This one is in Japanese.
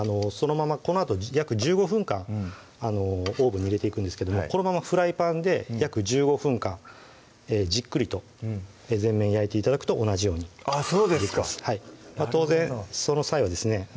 このあと約１５分間オーブンに入れていくんですけどこのままフライパンで約１５分間じっくりと全面焼いて頂くと同じようにあぁそうですか当然その際はですね